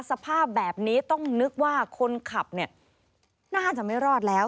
สภาพแบบนี้ต้องนึกว่าคนขับเนี่ยน่าจะไม่รอดแล้ว